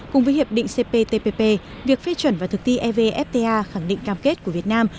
cùng với hiệp định cptpp việc phê chuẩn và thực thi evfta khẳng định cam kết của việt nam